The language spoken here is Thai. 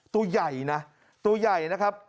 ตัวใหญ่นะตัวใหญ่นะครับ